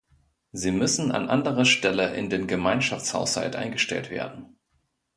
Sie müssen an anderer Stelle in den Gemeinschaftshaushalt eingestellt werden.